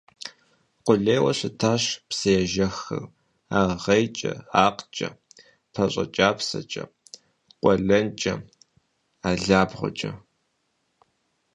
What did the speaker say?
Къулейуэ щытащ псыежэххэр аргъейкӀэ, акъкӀэ, пащӀэкӀапсэкӀэ, къуэлэнкӀэ, алабгъуэкӀэ.